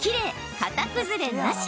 形崩れなし！